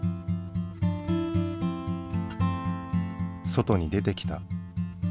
外に出てきた。